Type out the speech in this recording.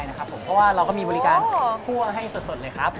เพราะว่าเราก็มีบริการคั่วให้สดเลยครับ